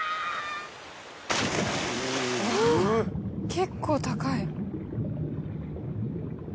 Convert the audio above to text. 結構高い。